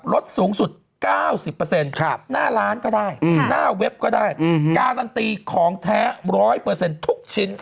ลดสูงสุด๙๐หน้าร้านก็ได้หน้าเว็บก็ได้การันตีของแท้๑๐๐ทุกชิ้น